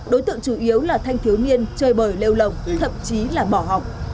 đối tượng chủ yếu là thanh thiếu niên chơi bời lêu lồng thậm chí là bỏ học